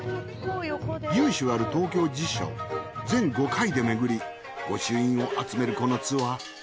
由緒ある東京十社を全５回でめぐり御朱印を集めるこのツアー。